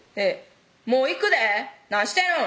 「もう行くで何してるん？」